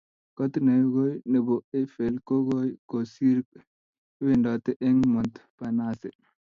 kot ne koi ne bo Eiffel ko koi kosir iwendote eng Montparnasse